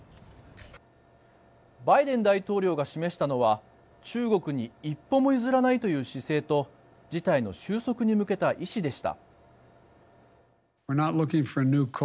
バイデン大統領が示したのは中国に一歩も譲らないという姿勢と事態の収束に向けた意思でした。